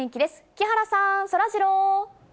木原さん、そらジロー。